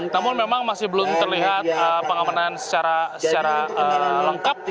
namun memang masih belum terlihat pengamanan secara lengkap